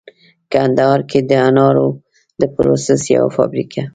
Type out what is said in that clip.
کندهار کې د انارو د پروسس یوه فابریکه